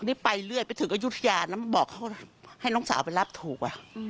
นี่ไปเรื่อยไปถึงอายุทยาแล้วบอกเขาให้น้องสาวไปรับถูก